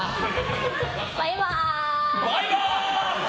バイバーイ！